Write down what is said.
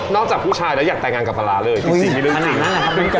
นอกจากผู้ชายแล้วอยากแต่งงานกับปลาร้าเลยที่สี่มีเรื่องสี่ขนาดนั้นแหละครับ